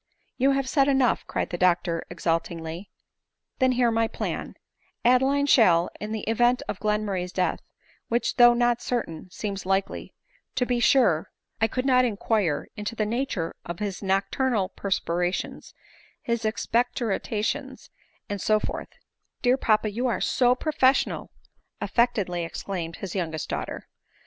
" You, have said enough," cried the doctor exultingly ; "then hear my planj Adeline shall, in the event of Glenmurray's death, which though not certain, seems likely — to be sure, I could not inquire into the nature of his nocturnal perspirations, his expectoration, and so forth—" " Dear papa, you qre so professional !" affectedly ex claimed his youngest daughter.